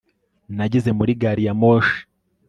Nageze muri gari ya moshi